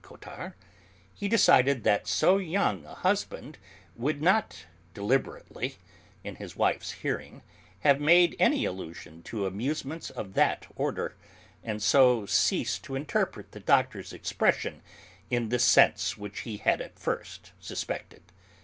Cottard, he decided that so young a husband would not deliberately, in his wife's hearing, have made any allusion to amusements of that order, and so ceased to interpret the Doctor's expression in the sense which he had at first suspected.